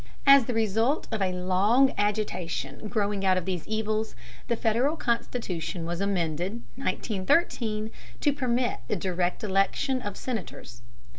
As the result of a long agitation growing out of these evils, the Federal Constitution was amended (1913) to permit the direct election of Senators.